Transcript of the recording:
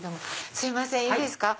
すいませんいいですか。